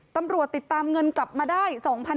ตำรวจติดตามเงินกลับมาได้